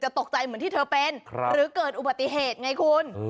ตกใจเหมือนที่เธอเป็นหรือเกิดอุบัติเหตุไงคุณ